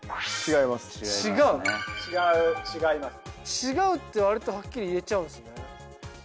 「違う」ってわりとはっきり言えちゃうんすね。